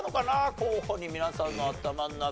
候補に皆さんの頭の中にね。